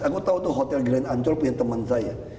aku tahu tuh hotel grand ancol punya teman saya